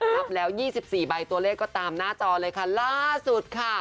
รับแล้ว๒๔ใบตัวเลขก็ตามหน้าจอเลยค่ะล่าสุดค่ะ